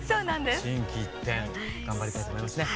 心機一転頑張りたいと思いますね。